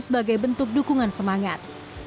sebagai bentuk dukungan semangat